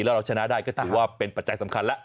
แล้วเราชนะได้ก็ถือว่าเป็นปัจจัยสำคัญแล้ว